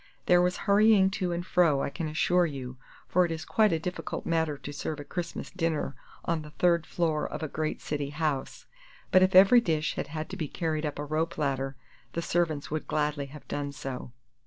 There was hurrying to and fro, I can assure you, for it is quite a difficult matter to serve a Christmas dinner on the third floor of a great city house; but if every dish had had to be carried up a rope ladder the servants would gladly have done so.